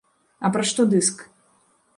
А пра што дыск?